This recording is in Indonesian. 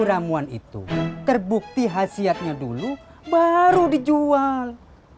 ramuan itu terbukti khasiatnya dulu baru dijual